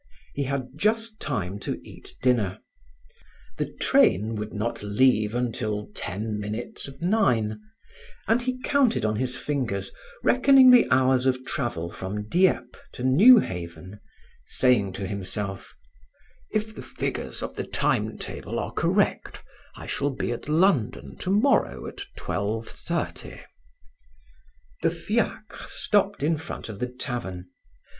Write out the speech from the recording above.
He had just time to eat dinner; the train would not leave until ten minutes of nine, and he counted on his fingers, reckoning the hours of travel from Dieppe to Newhaven, saying to himself: "If the figures of the timetable are correct, I shall be at London tomorrow at twelve thirty." The fiacre stopped in front of the tavern.